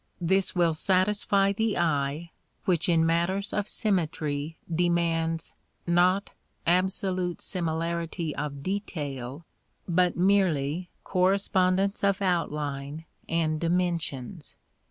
This will satisfy the eye, which in matters of symmetry demands, not absolute similarity of detail, but merely correspondence of outline and dimensions.